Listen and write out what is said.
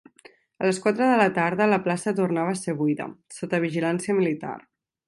A les quatre de la tarda, la plaça tornava a ser buida, sota vigilància militar.